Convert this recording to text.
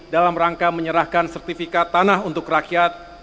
dalam rangka menyerahkan sertifikat tanah untuk rakyat